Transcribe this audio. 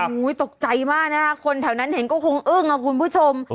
โอ้โหตกใจมากนะคะคนแถวนั้นเห็นก็คงอึ้งอ่ะคุณผู้ชม